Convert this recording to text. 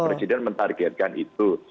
pak presiden mentargetkan itu